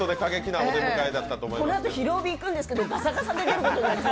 このあと「ひるおび！」行くんですけどガサガサで出ることに。